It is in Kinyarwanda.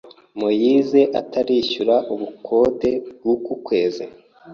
Moise atarishyura ubukode bwuku kwezi?